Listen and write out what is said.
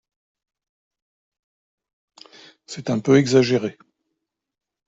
C’est un peu exagéré